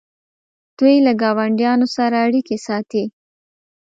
دوی له ګاونډیانو سره اړیکې ساتي.